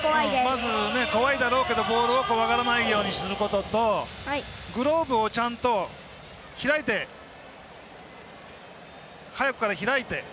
まず怖いだろうけどボールを怖がらないようにすることとグローブをちゃんと、早くから開いて。